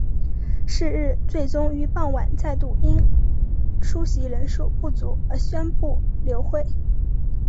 是日最终于傍晚再度因出席人数不足而宣布流会。